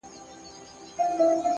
تالنده برېښنا يې خــوښـــــه ســوېده-